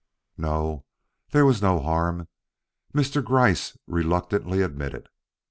"No, there was no harm," Mr. Gryce reluctantly admitted.